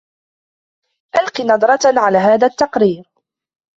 ألق نظرةً على هذا التقرير.